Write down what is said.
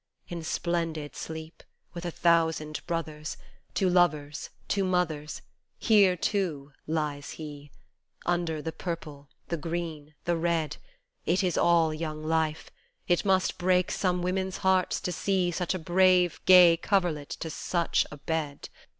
In splendid sleep, with a thousand brothers To lovers to mothers Here, too, lies he : Under the purple, the green, the red, It is all young life : it must break some women's hearts to see Such a brave, gay coverlet to such a bed